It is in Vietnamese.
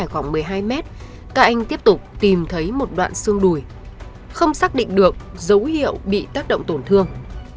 các anh tiếp tục tìm thấy một đoạn xương đùi không xác định được dấu hiệu bị tác động tổn thương